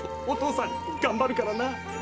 お父さんがんばるからな。